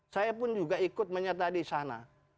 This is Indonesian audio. saya pun juga ikut menyerta di sana